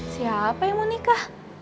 siapa yang mau nikah